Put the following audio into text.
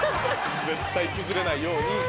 絶対崩れないように。